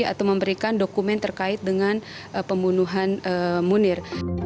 atau memberikan dokumen terkait dengan pembunuhan munir